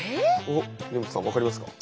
おっ根本さん分かりますか？